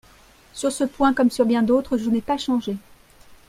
Sur ce point comme sur bien d'autres, je n'ai pas changé.